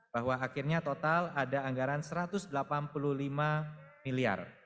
bahwa akhirnya total ada anggaran rp satu ratus delapan puluh lima miliar